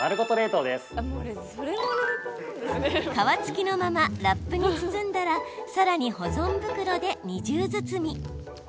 皮付きのままラップに包んだらさらに保存袋で二重包み。